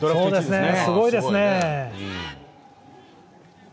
すごいですね。